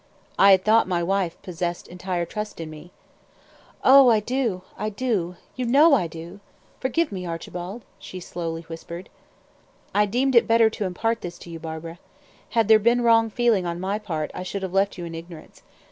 "I had thought my wife possessed entire trust in me." "Oh, I do, I do; you know I do. Forgive me, Archibald," she slowly whispered. "I deemed it better to impart this to you, Barbara. Had there been wrong feeling on my part, I should have left you in ignorance.